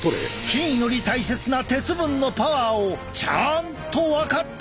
金より大切な鉄分のパワーをちゃんと分かっているのだ。